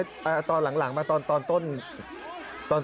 เอาตอนหลังมาตอนต้น